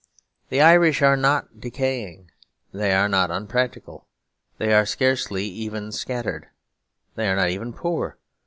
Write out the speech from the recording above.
The Irish are not decaying; they are not unpractical; they are scarcely even scattered; they are not even poor.